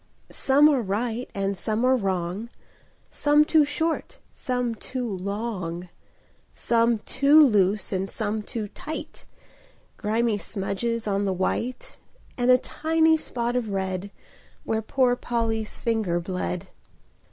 [Pg 6] Some are right and some are wrong, Some too short and some too long, Some too loose and some too tight; Grimy smudges on the white, And a tiny spot of red, Where poor Polly's finger bled.